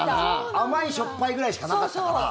甘いしょっぱいぐらいしかなかったから。